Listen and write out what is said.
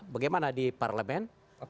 bagaimana di parlemen